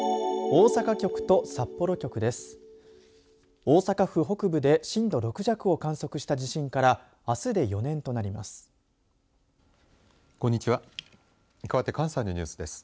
大阪府北部で震度６弱を観測した地震からあすで４年となります。